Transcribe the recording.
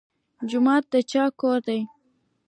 جومات د چا کور دی؟